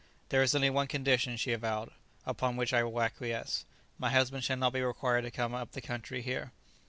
"There is only one condition," she avowed, "upon which I will acquiesce. My husband shall not be required to come up the country here."